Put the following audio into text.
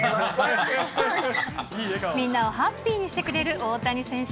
みんなをハッピーにしてくれる大谷選手。